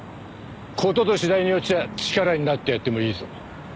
事と次第によっちゃあ力になってやってもいいぞ。